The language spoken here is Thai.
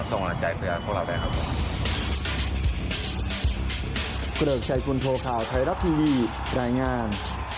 ส่งกำลังใจเพื่อพวกเราได้ครับ